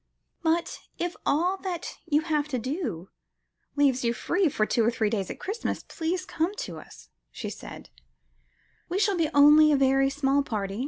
"But if all that you have to do leaves you free for two or three days at Christmas, please come to us," she said; "we shall be only a very small party.